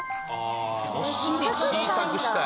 お尻小さくしたい？